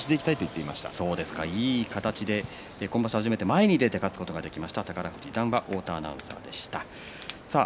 いい形で今場所、初めて前に出て勝つことができました宝富士です。